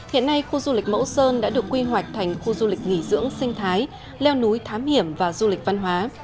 hiện nay khu du lịch mẫu sơn đã được quy hoạch thành khu du lịch nghỉ dưỡng sinh thái leo núi thám hiểm và du lịch văn hóa